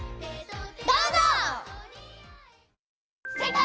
どうぞ！